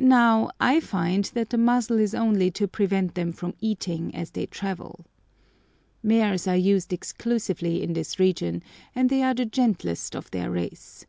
Now, I find that the muzzle is only to prevent them from eating as they travel. Mares are used exclusively in this region, and they are the gentlest of their race.